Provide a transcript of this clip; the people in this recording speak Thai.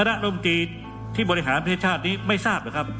เมื่อกี้ที่บริหารเทศชาติไม่ทราบครับ